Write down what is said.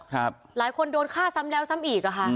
หลายคนโดนฆ่าซ้ำแล้วซ้ำอีกอะค่ะ